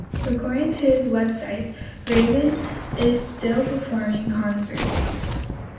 According to his web site, Raven is still performing concert dates.